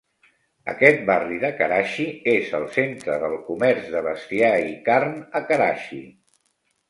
Aquest barri de Karachi és el centre del comerç de bestiar i carn a Karachi.